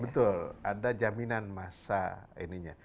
betul ada jaminan masa ininya